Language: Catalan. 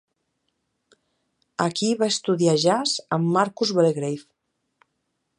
Aquí va estudiar jazz amb Marcus Belgrave.